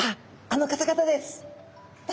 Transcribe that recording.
あの方々です。